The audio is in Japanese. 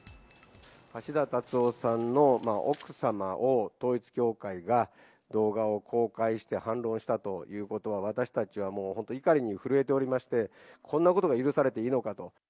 橋田達夫さんの奥様を統一教会が動画を公開して反論したということは、私たちはもう本当、怒りに震えておりまして、こんなことが許されていいのかと。